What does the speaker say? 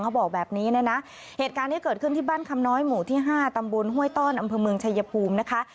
เขาบอกแบบนี้เนี่ยนะเหตุการณ์ที่เกิดขึ้นที่บ้านคำน้อยหมู่ที่๕ตำบลห้วยต้อนอำเภอเมืองชายภูมินะคะ